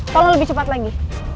tolong lebih cepat lagi